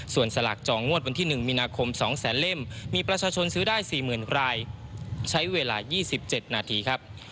ส่วนสลากจองงวดวันที่๑มีนาคม๒๐๐๐เล่มมีประชาชนซื้อได้๔๐๐๐รายใช้เวลา๒๗นาทีครับ